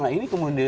nah ini kemudian